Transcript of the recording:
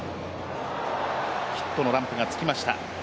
ヒットのランプがつきました。